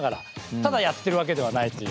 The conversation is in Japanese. ただやってるわけではないっていう。